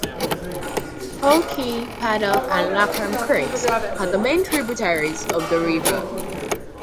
Oakey, Paddock and Larcom Creeks are the main tributaries of the river.